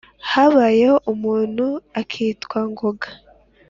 habayeho umuntu akitwa ngoga